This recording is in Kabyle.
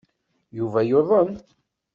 Yuba yuḍen.